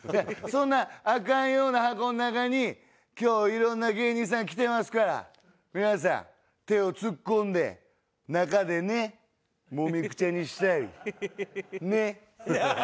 そんなアカンような箱の中に今日いろんな芸人さん来てますから皆さん手を突っ込んで中でねもみくちゃにしたりねっ。